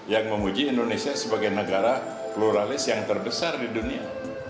yang memuji indonesia sebagai negara pluralis yang terbesar di dunia